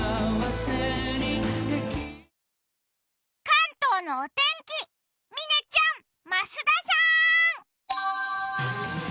関東のお天気、嶺ちゃん、増田さーん。